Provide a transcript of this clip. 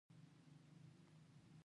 کله داسې هم پېښېږي چې پانګوال پیسې لري